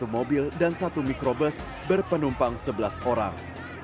satu mobil dan satu mikrobus berpenumpang sebelas orang